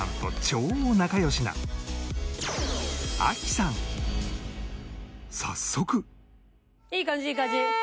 と早速いい感じいい感じ。